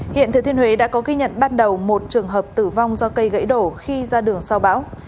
hiện thừa thiên huế đã có ghi nhận ban đầu một trường hợp tử vong do cây gãy đổ khi ra đường sau bão